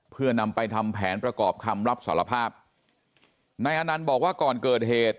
เพื่อนำไปทำแผนประกอบคำรับสารภาพนายอนันต์บอกว่าก่อนเกิดเหตุ